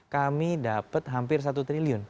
kami dapat hampir satu triliun